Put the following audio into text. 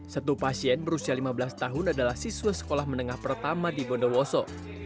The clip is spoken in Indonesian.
satu pasien berusia lima belas tahun adalah siswa sekolah menengah pertama di bondowoso